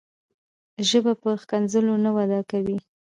ژبه په ښکنځلو نه وده کوي.